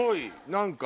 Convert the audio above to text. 何か。